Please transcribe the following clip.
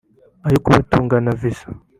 ayo kubatunga na viza